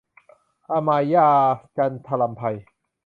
อมาญาส์ - จันทรำไพ